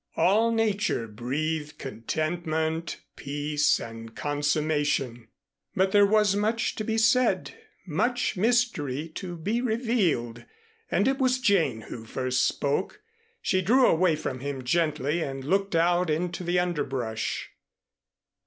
All Nature breathed contentment, peace and consummation. But there was much to be said, much mystery to be revealed, and it was Jane who first spoke. She drew away from him gently and looked out into the underbrush.